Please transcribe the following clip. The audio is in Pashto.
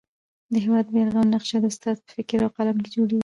د هېواد د بیارغونې نقشه د استاد په فکر او قلم کي جوړېږي.